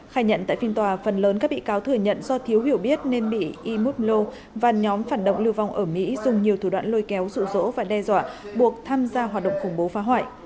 khai nhận tại phiên tòa phần lớn các bị cáo thừa nhận do thiếu hiểu biết nên bị imutlo và nhóm phản động lưu vong ở mỹ dùng nhiều thủ đoạn lôi kéo rụ rỗ và đe dọa buộc tham gia hoạt động khủng bố phá hoại